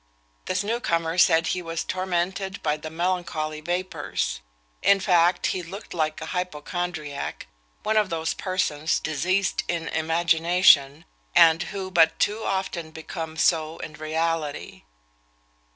This new comer said he was tormented by the melancholy vapours. In fact, he looked like a hypochondriac; one of those persons, diseased in imagination, and who but too often become so in reality.